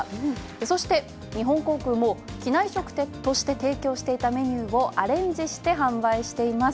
そして、日本航空も機内食として提供していたメニューをアレンジして販売しています。